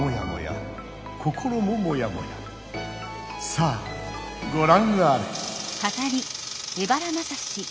さあごらんあれ！